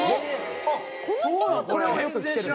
あっそうなんだ。